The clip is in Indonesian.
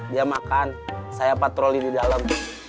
dia makan saya patroli di dalam